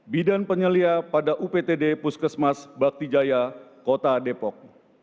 bidan penyelia pada uptd puskesmas baktijaya kota depok